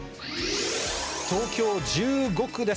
東京１５区です。